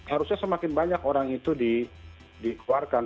harusnya semakin banyak orang itu dikeluarkan